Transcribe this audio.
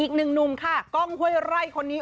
อีกหนึ่งหนุ่มค่ะกล้องห้วยไร่คนนี้